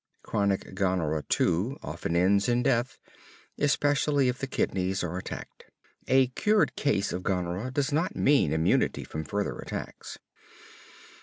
Chronic gonorrhea, too, often ends in death, especially if the kidneys are attacked. A cured case of gonorrhea does not mean immunity from further attacks.